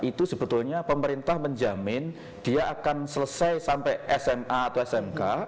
itu sebetulnya pemerintah menjamin dia akan selesai sampai sma atau smk